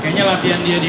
kayaknya latihan dia di